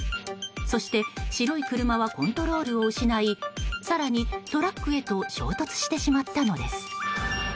そして白い車はコントロールを失い更にトラックへと衝突してしまったのです。